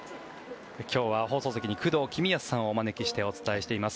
今日は放送席に工藤公康さんをお招きしてお伝えしています。